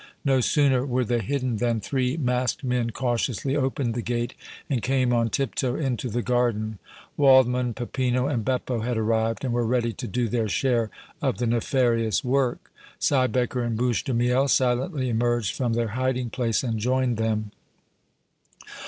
No sooner were they hidden than three masked men cautiously opened the gate and came on tip toe into the garden. Waldmann, Peppino and Beppo had arrived and were ready to do their share of the nefarious work. Siebecker and Bouche de Miel silently emerged from their hiding place and joined them.